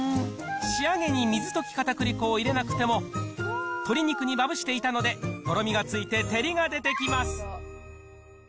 仕上げに水溶きかたくり粉を入れなくても鶏肉にまぶしていたので、とろみがついて照りが出てきます。